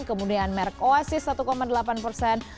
kemudian merk oasis satu delapan persen